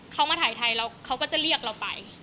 เขามาถ่ายไทยเขาก็จะเรียกเราไป